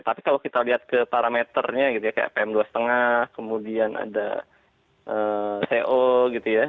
tapi kalau kita lihat ke parameternya gitu ya kayak pm dua lima kemudian ada co gitu ya